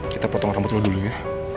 kita potong rambut dulu ya